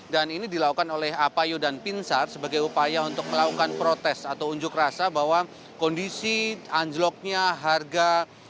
dan ini dilakukan oleh apayo dan pinsar sebagai upaya untuk melakukan protes atau unjuk rasa bahwa kondisi anjloknya harga